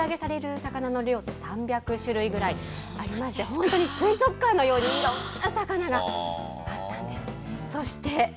年間で水揚げされるお魚の量、３００種類くらいありまして、本当に水族館のようにいろんな魚があったんです。